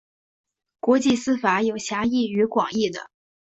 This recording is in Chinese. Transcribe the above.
国际私法有狭义与广义的。